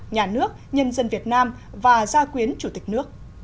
nhà nước nhân dân việt nam và gia quyến chủ tịch nước